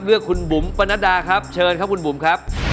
เลือกคุณบุ๋มปนัดดาครับเชิญครับคุณบุ๋มครับ